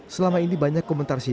selama ini banyak komentar